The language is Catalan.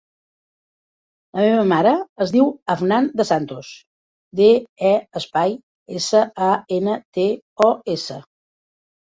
La meva mare es diu Afnan De Santos: de, e, espai, essa, a, ena, te, o, essa.